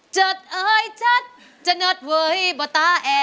เจิดเอ้ยเจิดจะเนิดเวอร์ให้บัตตาแอ